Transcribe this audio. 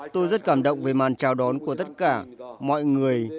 tôi rất cảm động về màn chào đón của tất cả mọi người